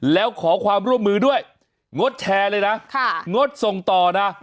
แล้วขอความร่วมมือด้วยงดแชร์เลยนะงดส่งต่อนะ